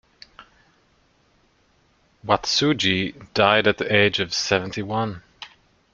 Watsuji died at the age of seventy-one.